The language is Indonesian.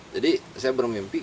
jadi saya bermimpi